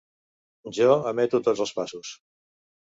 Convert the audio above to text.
Jo emeto tots els passos.